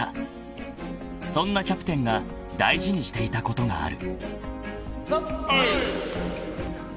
［そんなキャプテンが大事にしていたことがある］